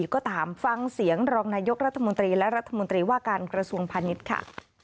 ก็ตามฟังเสียงรองนายกรัฐมนตรีและรัฐมนตรีว่าการกระทรวงพาณิชย์ค่ะ